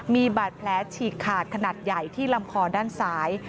มีบาดแผลฉีกขาดขนาดใหญ่ที่ลำคอด้านซ้าย